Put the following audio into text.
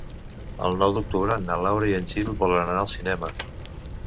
El nou d'octubre na Laura i en Gil volen anar al cinema.